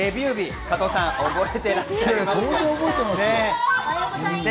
加藤さん、覚えていらっしゃいますか？